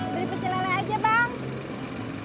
beri pecelalai aja bang